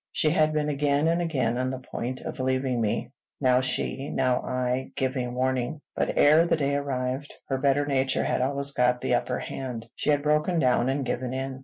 She had been again and again on the point of leaving me, now she, now I, giving warning; but, ere the day arrived, her better nature had always got the upper hand, she had broken down and given in.